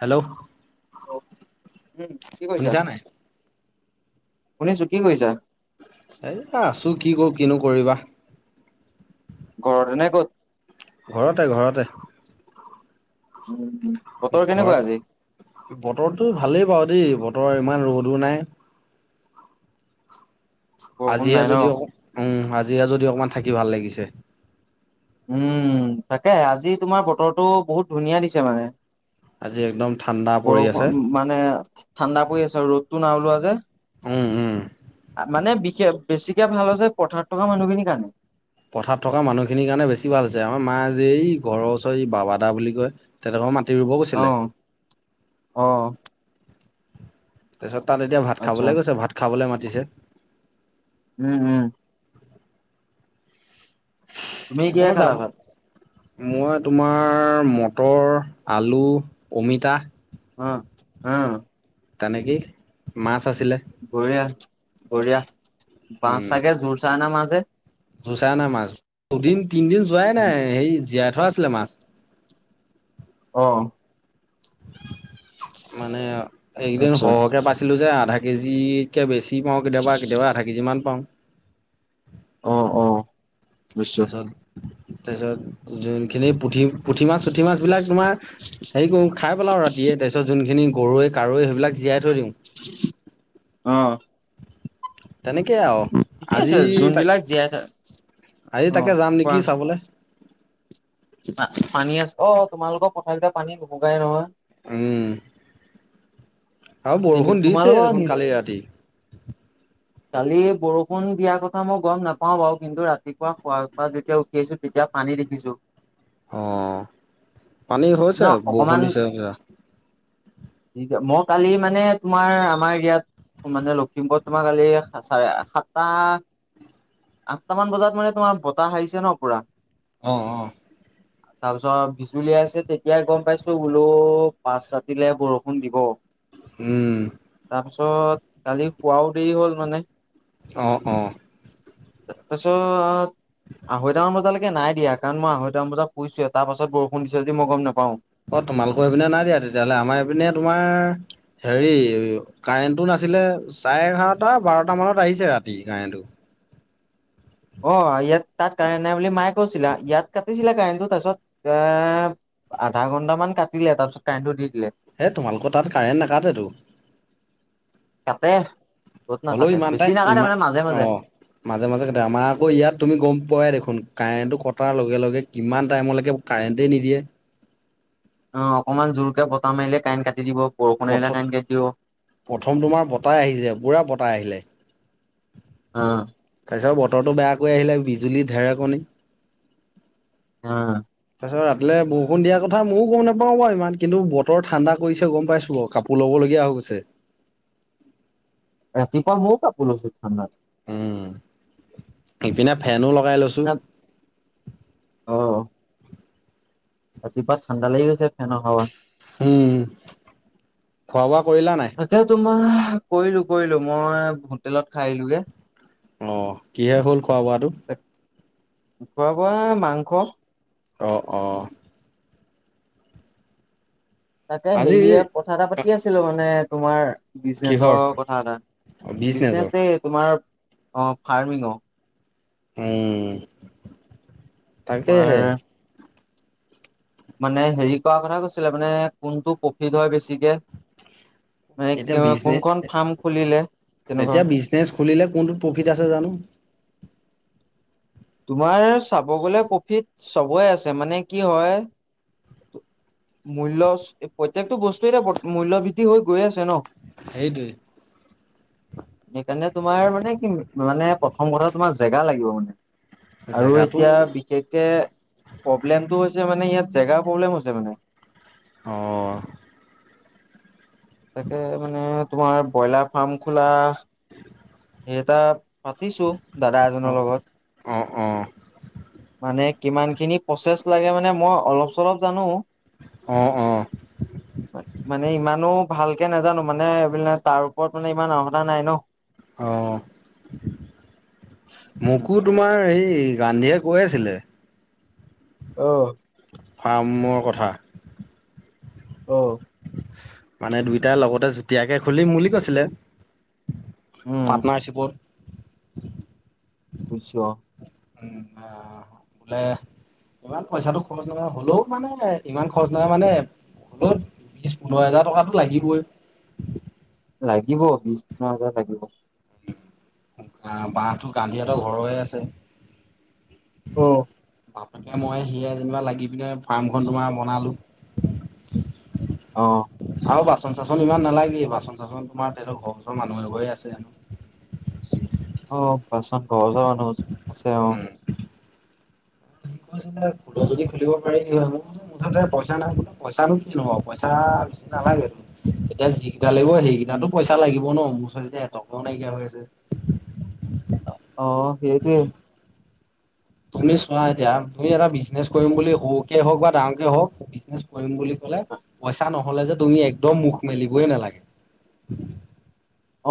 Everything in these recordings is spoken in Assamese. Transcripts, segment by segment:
হেল্ল'? অ উম, কি কৰিছা শুনিছা নাই শুনিছো কি কৰিছা? এ আছো কি কৰো কিনো কৰিবা। ঘৰতেনে ক'ত? ঘৰতে ঘৰতে। উম, উম। বতৰ কেনেকুৱা আজি ঘৰত বতৰটো ভালেই বাৰু দেই বতৰ বতৰ ইমান ৰ'দো নাই। বৰষুণ আজিহে নাই ন যদি অ', উম আজিহে যদি অকমান থাকি ভাল লাগিছে। উম, তাকে আজি তোমাৰ বতৰটো বহুত ধুনীয়া দিছে মানে। আজি একদম ঠাণ্ডা পৰি আছে বৰষুণ মানে ঠাণ্ডা পৰি আছে আৰু ৰ'দতটো নাই ওলোৱা যে। উম, উম। মানে বিশে বেছিকে ভাল হৈছে পথাৰত থকা মানুহখিনি কাৰনে। পথাৰত থকা মানুহখিনিৰ কাৰণে বেছি ভাল হৈছে আমাৰ মা আজি এই ঘৰৰ ওচৰ বাবা দা বুলি কয় তেখেতৰ মাটি ৰুব গৈছিলে। অঁ'। তাৰ পিছত তাত এতিয়া ভাত আচ্ছা খাবলে গৈছে ভাত খাবলে মাতিছে। উম, উম। তুমি মই কিহেৰে যাব খালা ভাত? মই তোমাৰ মটৰ আলু অমিতা অ', আহ। তানেকেই মাছ আছিলে বঢ়িয়া বঢ়িয়া বাছ চাগে জোৰ চাই অনা মাছ হে। জোৰ চাই অনা মাছ দুদিন তিনদিন যোৱাই নাই সেই জীয়াত ধৰ আছিলে মাছ। অ'। মানে এইকেইদিন আচ্ছা সৰহকে পাইছিলো যে আধা কেজি কে বেছি পাওঁ কেতিয়াবা কেতিয়াবা আধা কেজিমান পাওঁ। আহ অ'। বুজিছো তাৰপিছত তাৰপিছত যোনখিনি পুঠি পুঠি মাছ চুঠি মাছবিলাক তোমাৰ হেৰি কৰোঁ খাই পেলাওঁ ৰাতিয়ে তাৰপিছত যোনখিনি গৰৈ কাৱৈ সেইবিলাক জীয়াই থৈ দিওঁ অ'। তেনেকেই আৰু ঠিকে আজি আছে তাক যোনবিলাক জীয়াই থা আজি অ তাকে যাম নেকি কোৱা চাবলৈ। পানী আছে অ', অ', তোমালোকৰ পথাৰ বিলাকত পানী নুশুকাই নহয়। উম। আৰু বৰষুণ দিছে তোমালোকৰ দেখোন নিজ কালি ৰাতি। কালি বৰষুণ দিয়া কথা মই গম নাপাও বাৰু কিন্তু ৰাতিপুৱা শুৱা পৰা যেতিয়া উঠি আছো তেতিয়া পানী দেখিছোঁ। অ', পানীৰ ন হৈছে অকমান বৰষুণ দিছে। মই কালি মানে তোমাৰ আমাৰ ইয়াত মানে লখিমপুৰত তোমাৰ কালি চাৰে সাতটা আঠটা মান বজাত মানে তোমাৰ বতাহ হাৰিছে ন পুৰা অ', অ'। তাৰপিছত বিজুলী আইছে তেতিয়া গম পাইছোঁ বোলো পাচ ৰাতিলে বৰষুণ দিব। উম। তাৰপাছত কালি শোৱাও দেৰি হল মানে অ', অ'। তাৰপিছত আ়ঢ়ৈটামান বজালৈকে নাই দিয়া কাৰণ মই আঢৈ়টামান বজাত শুইছোহে তাৰপাছত বৰষুণ দিছিল যদি মই গম নাপাওঁ। অ', তোমালোকৰ এইপিনে নাই দিয়া তেতিয়াহ'লে আমাৰ এইপিনে তোমাৰ হেৰি কাৰেণ্টটো নাছিলে চাৰে এঘাৰটা বাৰটা মানত আহিছে ৰাতি কাৰেণ্টটো। অ', ইয়াত তাৰ কাৰেন্ট নাই বুলি মায়ে কৈছিলে ইয়াত কাটিছিলে কাৰেণ্ট টো তাৰপিছত এ আধা ঘন্টা মান কাটিলে তাৰ পিছত কাৰেণ্টটো দি দিলে এ তোমালোকৰ তাত কাৰেণ্ট নাকাটেটো। কাটে কত নাকাটে ইমান এটা বেছি নাকাটে ইমান মানে মাজে মাজে। অ'। মাজে, মাজে কাটে আমাৰ আকৌ ইয়াত তুমি গম পোৱাই দেখোন কাৰেণ্টো কটাৰ লগে লগে কিমান টাইমলৈকে কাৰেণ্টেই নিদিয়ে। অ', অকনমান জোৰকে বতাহ মাৰিলে কাৰেন্ট কাটি দিব। বৰষুণ আহিলে প্ৰথম কাৰেণ্ট কাটি দিব প্ৰথম তোমাৰ বতাহ আহিছে পুৰা বতাহ আহিলে অহ। তাৰ পিছত বতৰটো বেয়া কৰি আহিলে বিজুলী ঢেৰেকণি অ'। ৰাতিলে বৰষুণ দিয়া কথা ময়ো গম নাপাওঁ বাৰু ইমান কিন্তু বতৰ ঠাণ্ডা কৰিছে গ'ম পাইছোঁ বাৰু কাপোৰ ল'বলগীয়া হৈ গৈছে। [inaudible] ৰাতিপুৱা মইও কাপোৰ লৈছো ঠাণ্ডাত। উম, ইপিনে ফেনো লও। অহ। ৰাতিপুৱা ঠাণ্ডা লাগি গৈছে ফেনৰ হাৱাত। উম, উম খোৱা বোৱা কৰিলা নাই। তাকে তোমাৰ কৰিলো, কৰিলো মই হোটেলত খাই আহিলোগে। অ', কিহে হ'ল খোৱা বোৱাটো। খোৱা বোৱা মাংস। অ', অ'। তাকে আজি হেৰিয়ে কথা এটা পাতি আছিলো মানে তোমাৰ বিজনেচৰ কিহৰ? কথা এটা। অ', বিজনেচৰ। বিজনেচ তোমাৰ অ', ফাৰ্মিঙৰ উম, তোমাৰ তাকেহে মানে হেৰি কৰা কথা কৈছিলো মানে কোনটো প্ৰফিত হয় বেছিকে। মানে এতিয়া বিজনে কোনখন ফাৰ্ম খুলিলে তেনেকুৱা এতিয়া বিজনেছ খুলিলে কোনটো প্ৰফিট আছে জানো। তোমাৰ চাব গলে প্ৰফিত চবৰেই আছে মানে কি হয় মূল্য প্ৰত্যেকটো বস্তুৱে এতিয়া মূল্য বৃদ্ধি হৈ গৈ আছে ন। সেইটোৱে। সেইকাৰণে তোমাৰ মানে কি মানে প্ৰথম কথা তোমাৰ জেগা লাগিব। আৰু জেগাটো এতিয়া বিশেষকে প্ৰব্লেমটো হৈছে মানে ইয়াত জেগা প্ৰব্লেম হৈছে মানে। অহ' তাকে মানে তোমাৰ ব্ৰইলাৰ ফ্ৰাৰ্ম খোলা। [inaudible] এটা পাতিছো দাদা এজনৰ অ'। অ', লগত অ', মানে কিমান খিনি প্ৰচেছ লাগে মানে মই অলপ চলপ জানো। অ', অ', মানে ইমানো। ভালকে নাজানো মানে এবিলাক তাৰ ওপৰত মানে ইমান অৰ্হতা নাই ন। অহ' মোকো তোমাৰ এই গান্ধীয়ে কৈ আছিলে। অ' ফ্ৰাৰ্মৰ কথা। অ' মানে দুইটাৰ লগতে যুতীয়াকে খুলিম বুলি বুলি কৈছিলে। উম পাৰ্টনাৰশ্বিপত। বুজছোৱা উম, আহ বোলে। ইমান পইচাটো খৰচ নহয় হ'লেও মানে ইমান খৰচ নহয় মানে হ'লেও বিচ্ছ, পোন্ধৰ হোজাৰ টকাতটো লাগিবই। লাগিব বিছ, পোন্ধৰ হাজাৰ লাগিব। বাঁহটো গান্ধী হত ঘৰৰে আছে। অ' বাপেকে মই সি যেনিবা লাগি পিনে ফ্ৰাৰ্মখন তোমাৰ বনালো। অ' আৰু বাচন চাচন ইমান নালাগে বাচন চাচন তোমাৰ তেহত ঘৰৰ ওচৰৰ মানুহ এঘৰে আছে। অ'বাচন ঘৰৰ ওচৰৰ মানুহ আছে অ'। ফটো যদি খুলিব পাৰি মুঠতে পইচা নাই কি পইচাটো কি নাই পইচা। নালাগে তেতিয়া যিকেটা। তেতিয়া লাগিব সেইকেইটাতো পইচা লাগিব ন মোৰ ওচৰত অ এটকাও নাইকিয়া হৈ আছে। অ' সেইতোয়ে। তুমি চোৱা এতিয়া তুমি এটা ব্ৰিজনেচ কৰিম বুলি সৰুকে হওঁক বা ডাঙৰকে হওঁক ব্ৰিজনেচ কৰিম বুলি। ক'লে পইচা নহ'লে যে তুমি একদম মুখ মেলিবই নালাগে।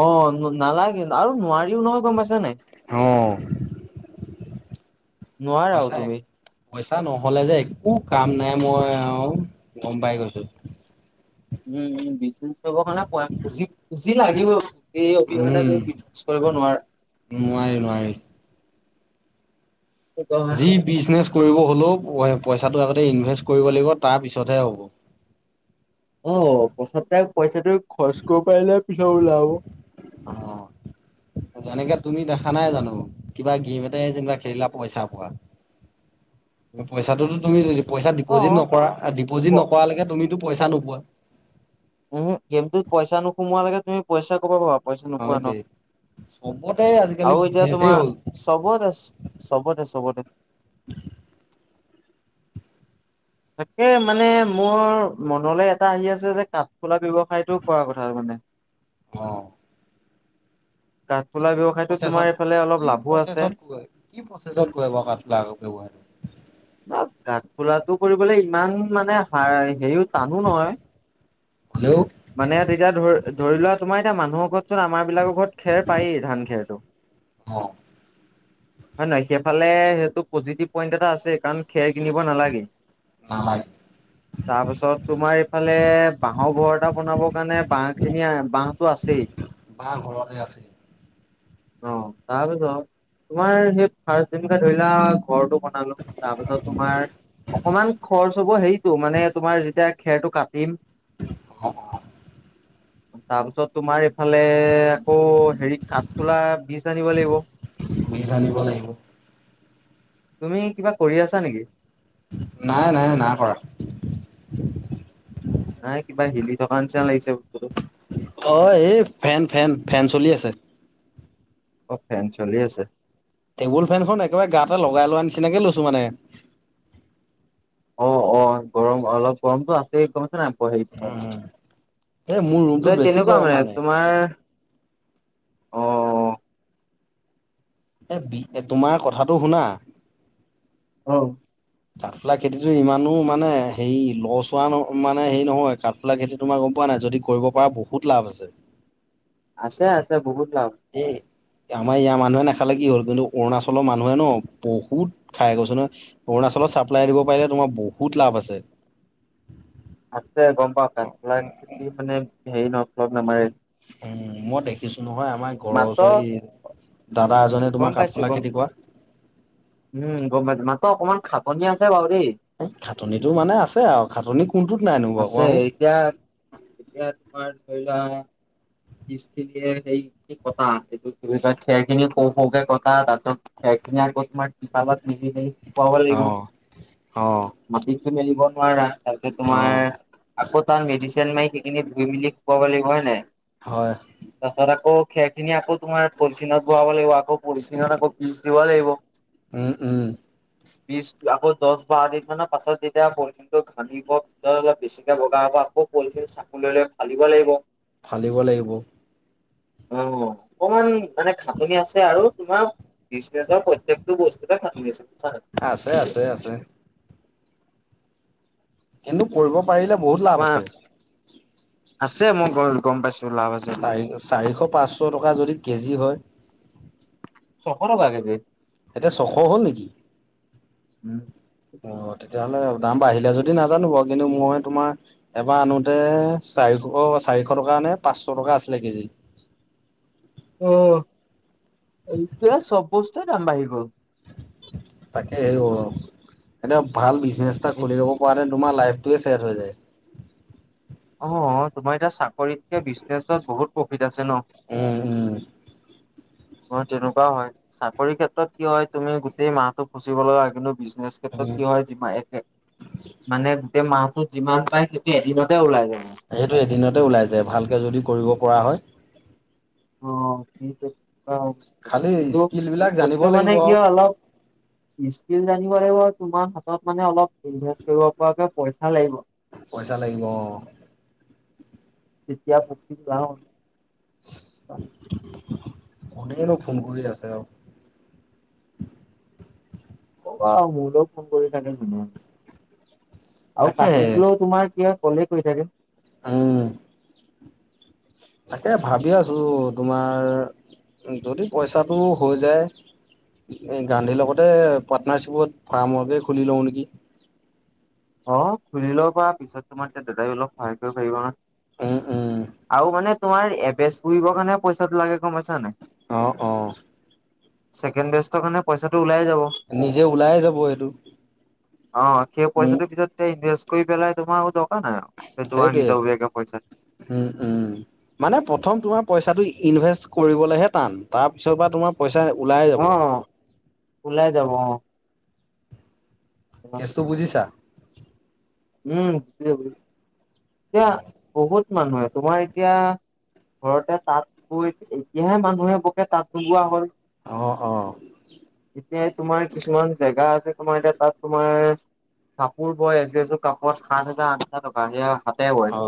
অ' নালাগে আৰু নোৱাৰিও নহয় গ'ম পাইছা নাই। অ' পইচা, নোৱাৰাও পইচায়ে তুমি। পইচা নহ'লে যে একো কাম নাই মই আৰু গ'ম পাই গৈছো। উম, উম। পুজি পুজি লাগিব এই অবিহনে যদি ব্ৰিজনেছ কৰিব নোৱাৰা। নোৱোৰি, নোৱোৰি। যি ব্ৰিজনেচ কৰিব হ'লেও পইচা। পইচটো আগতে ইনভেষ্ট কৰিব লাগিব তাৰ পিছতহে হ'ব। অ' প্ৰথমতে পইচাটো খৰচ কৰিব পাৰিলে পিছত ওলাব। [inaudible] যেনেকে তুমি দেখা নাই জানো কিবা গেম এটাই যেনিবা খেলিলা পইচা পোৱা। [inaudible] পইচাটোতো তুমি পইচা অ ডিপজিত নকৰা প ডিপজিত নকৰালেকে তুমিটো পইচা নোপোৱা। উম, গেমটোত পইচা নোসুমোৱা লাগে তুমি পইচা ক'ৰপৰা পাবা পইচা হয় নোপোৱা ন। দেই চবতে আজিকালি আৰু এতিয়া বিজনেচেই তোমাৰ হ'ল চবতে, চবতে, চবতে। [inaudible] তাকে মানে মোৰ মনলৈ এটা আহি আছে যে কাঠফুলা ব্যৱসায়টো কৰা কথা মানে। [unintelligible] অ' কাঠফুলা কি ব্যৱসায়তটো প্ৰচেছত তোমাৰ এইফালে অলপ কি লাভো আছে। প্ৰচেছত কি প্ৰচেছত কৰে বাৰু কাঠ ব্যৱহাৰটো কাঠফুলাটো কৰিবলৈ ইমান মানে হ হেৰিও টানো নহয়। হ'লেও মানে তেতিয়া ধৰি ধৰি লোৱা তোমাৰ এতিয়া মানুহক চোন আমাৰ বিলাকৰ ঘৰত খেৰ পায়েই ধান খেৰটো। অ হয় নহয় সেইফালে সেইটো পজিটিভ পইণ্ট এটা আছেই কাৰণ খেৰ কিনিব নালাগে। নালাগে তাৰপিছত তোমাৰ এই ফালে বাঁহৰ ঘৰ এটাও [unintelligible] কাৰণে বাহঁ খিনি বাহঁটো আছেই। বা ঘৰতে আছে অ' তাৰপিছত তোমাৰ সেই [unintelligible] ধৰি লোৱা ঘৰটো বনালো, তাৰপিছত তোমাৰ অকমান খৰচ হ'ব হেৰিটো মানে তোমাৰ যেতিয়া খেৰটো কাটিম। অ' [unintelligible] তাৰপিছত তোমাৰ এইফালে আকৌ হেৰি কাঠফুলা বীজ আনিব লাগিব। বীজ আনিব লাগিব। তুমি কিবা কৰি আছা নেকি? নাই নাই নাই কৰা। নাই কিবা হিলি থকা নিচিনা লাগিছে বস্তুটো। অ' এই ফেন-ফেন। ফেন চলি আছে। অ' ফেন চলি আছে। টেবুল ফেনখন একেবাৰে গাটে লগাই লোৱা নিচিনাকে লৈছোঁ মানে অ' অ' গৰম অলপ গৰমতো আছেই এ মোৰ ৰুমটোত [unintelligible] বেছি তেনেকুৱা গৰম মানে তোমাৰ অ' এ বি তোমাৰ কথাটো শুনা আহ কাঠফুলা খেতিতো ইমানো মানে হেৰি লছ হোৱা মানে হেৰি নহয়, কাঠফুলা খেতি তোমাৰ গম পোৱা নাই যদি কৰিব পৰা বহুত লাভ আছে। আছে আছে বহুত লাভ এ, আমাৰ ইয়াৰ মানুহে নাখা লে কি হ'ল কিন্তু অৰুণচলৰ মানুহে ন বহুত খাই, কৈছোঁ ন অৰুণাচলত চাপ্লাই দিব পাৰিলে বহুত লাভ আছে। [inaudible] আছে গম পাওঁ। কাঠফুলা খেতি মানে হেৰি নহ [unintelligible] নামাৰে। উম মই দেখিছো নহয় আমাৰ ঘৰৰ মাত্ৰ ওচৰৰ [unintelligible] এজনে তোমাৰ কাঠফুলা খেতি কৰা উম্ গম পাইছো মাত্ৰ অকনমান খাটনি আছে বাৰু দেই এই খাটনিটো মানে আছে আৰু খাটনি কোনটোত নাইনো‌ বাৰু আছে কোৱা চোন। এতিয়া এতিয়া তোমাৰ ধৰি লোৱা [unintelligible] সেইখিন কটা এইটো খেৰ খিনি সৰু-সৰু কে কটা তাৰ পিছত ধুনীয়া [unintelligible] শুকুৱাব লাগিব। অ', অ', মাটিতো মেলিব নোৱাৰা তাৰপিছত তোমাৰ অ', আকৌ তাত মেডিচিন মাৰি সেইখিনি ধুই মেলি শুকুৱাব লাগিব হয় নাই হয় তাৰপিছত আকৌ খেৰ খিনি আকৌ তোমাৰ পলিথিনত ভৰাব লাগিব, আকৌ পলিথিনত আকৌ বীজ দিব লাগিব। উম্ উম্। বিশ আকৌ দহ বাৰ দিন মানৰ পাছত যেতিয়া পলথিনটো ঘামিব ভিতৰত অলপ বেছিকে বগা হ'ব আকৌ পলিথিন [unintelligible] লেৰে ফালিব লাগিব। ফালিব লাগিব। অ' অকমান মানে খাঁটুনি আছে আৰু তোমাৰ বিজনেচৰ প্ৰত্যেকটো বস্তুতে খাঁটুনি আছে। বুজিছা নাই। আছে, আছে, আছে। কিন্তু কৰিব পাৰিলে বহুত লাভ তোমাৰ আছে। আছে মই গ গম পাইছো। লাভ আছে বুলি চাৰি চাৰিশ পাঁচশ টকা যদি কেজি হয়। ছশ টকা কেজিত। এতিয়া ছশ হ'ল নেকি। উম, অ', তেতিয়াহ'লে দাম বাঢ়িলে যদি নাজানো বাৰু কিন্তু মই তোমাৰ এবাৰ আনোতে চাৰিশ চাৰিশ টকা নে পাঁচশ টকা আছিলে কেজি। [inaudible] অ, এইটো চব বস্তুৰ দাম বাঢ়ি‌ গ'ল। তাকে এনে ভাল বিজনেচ এটা খুলি ল'ব পৰা নাই। তোমাৰ লাইটোয়াৰ হৈ যায়। অ, তোমাৰ এতিয়া চাকৰিতকে বিজনেচত বহুত প্ৰফিট আছে ন। উম, উম, তেনেকুৱাও হয় চাকৰি ক্ষেত্ৰত কি হয় তুমি গোটেই মাহটো ফুচিব লগা কিন্তু নি ক্ষেত্ৰত উম। কি হয় যিমান একে মানে তে মাহত যিমান পায় সেইয়া এদিনতে ওলাই যায়। সেইটো এদিনতে ওলাই যায় ভালকে যদি কৰিব পৰা হয়। অ, ঠিক ই অ, খালি কিন্তু স্কিল বিলাক জানিব বস্তু মানে লাগিব আৰু কিয় অলপ ছিল জানিব লাগিব তোমাৰ হাতত মানে অলপ পইচা লাগিব। পইচা লাগিব অ, [unintelligible] কোনেনো ফোন কৰি আছে আৰু। অ, মোৰলৈও ফোন কৰি থাকে ঘনিইয়ে। আৰু তাকে কাটলৈও তোমাৰ কি হয় ক'লে কৈ থাকে। উম, তাকে ভাবি আছোঁ, তোমাৰ যদি পইচাটো হৈ যায়। গান্ধীৰ লগতে পাৰ্টনাৰশ্বিপত ফাৰ্মৰ্কে খুলি লওঁ নেকি। অ, খুলিলেও পাৰ পিছত তোমাৰ এতিয়া দাদাই অলপ সহায় কৰিব পাৰিব উম উম নহয়। আৰু মানে তোমাৰ এভেছ পহবৰ কাৰণে পইচাটো লাগে গম পাইছা নে নাই। অ, অ, ছেকেণ্ড বেষ্টৰ কাৰণে পইচাটো ওলাই। যাব নিজে ওলাইে যাব এইটো। অ, সেই পইচাটোৰ পিছত ইনভেষ্ট কৰি পেলাই তোমাৰ। নাই আৰু তোমাৰ সেইটোৱে নিজাববীয়াকে পইচা উম, উম, মানে প্ৰথম তোমাৰ পইচাটো ই ইনভেষ্ট কৰিবলৈহে টান তাৰপিছত বা তোমাৰ পইচা। ওলাই যাব অ, ওলাই যাব অ, কেচ'টো বুজিছা। উম, বুজ বুজিছো এতিয়া বহুত মানুহে তোমাৰ এতিয়া। ঘৰতে তাঁত বৈ এতিয়াহে মানুহে বকে তাঁত নোগোৱা হ'ল। অ অ এতিয়া তোমাৰ কিছুমান জেগা আছে তোমাৰ এতিয়া তাত তোমাৰ। কাপোৰ বয় এযোৰ এযোৰ কাপত সাত হাজাৰ আঠ হাজাৰ টকা সেয়া হাতে বয়।